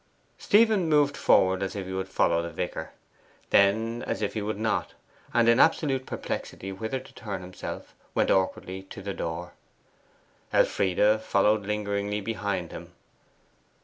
Stephen moved forward as if he would follow the vicar, then as if he would not, and in absolute perplexity whither to turn himself, went awkwardly to the door. Elfride followed lingeringly behind him.